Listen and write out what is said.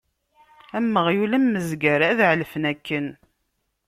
Am uɣyul, am uzger, ad ɛelfen akken.